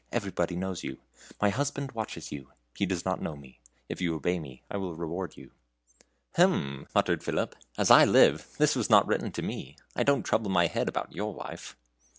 Everybody knows you. My husband watches you. He does not know me. If you obey me, I will reward you." "Hem!" muttered Philip. "As I live, this was not written to me. I don't trouble my head about your wife."